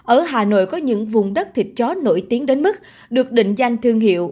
ở hà nội có những vùng đất thịt chó nổi tiếng đến mức được định danh thương hiệu